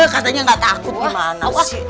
katanya nggak takut gimana sih